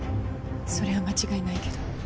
それは間違いないけど。